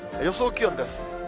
予想気温です。